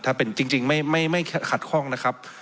ถ้าเป็นจริงไม่ขัดข้องนะครับ